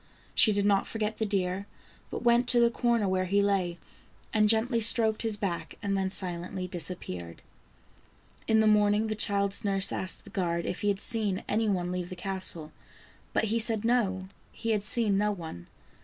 She did not forget the deer, but went to the corner where he lay and gently stroked his back and then silently disappeared. In the morning the child's nurse asked the guard if he had seen any one leave the castle, but he said no, he had seen no one.